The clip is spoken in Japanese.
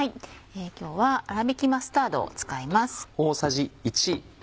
今日はあらびきマスタードを使います。